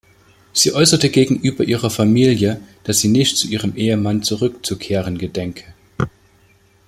Sie äusserte gegenüber ihrer Familie, dass sie nicht zu ihrem Ehemann zurückzukehren gedenke.